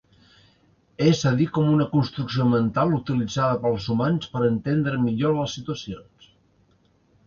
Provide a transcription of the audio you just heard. És a dir com una construcció mental utilitzada pels humans per entendre millor les situacions.